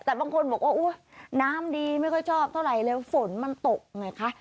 แต่บางคนบอกว่าอุ๊ยน้ำดีไม่ค่อยชอบเท่าไหร่เลยฝนมันตกไงคะ